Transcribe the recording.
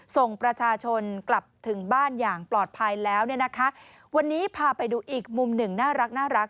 ส่งประชาชนกลับถึงบ้านอย่างปลอดภัยแล้วเนี่ยนะคะวันนี้พาไปดูอีกมุมหนึ่งน่ารักน่ารัก